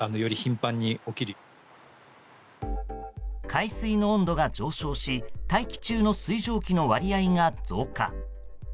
海水の温度が上昇し大気中の水蒸気の割合が増加。